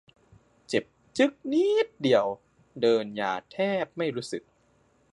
เจ็บจึ๊กนิดเดียว เดินยาแทบไม่รู้สึก